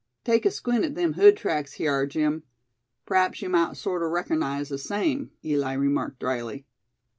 "Take a squint at them hood tracks hyar, Jim; p'raps ye mout sorter reckernize the same," Eli remarked drily.